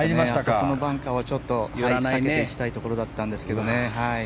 あそこのバンカーはちょっと入らないで行きたいところだったんですけどね。